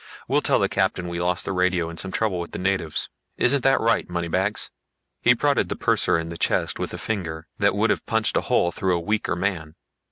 We'll tell the captain we lost the radio in some trouble with the natives. Isn't that right, Moneybags?" He prodded the purser in the chest with a finger that would have punched a hole through a weaker man.